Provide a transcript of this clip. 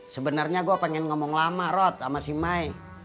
sebenernya gue pengen ngomong lama rot sama si maek